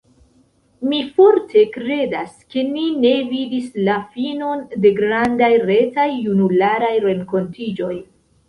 Mi forte kredas ke ni ne vidis la finon de grandaj retaj junularaj renkontiĝoj!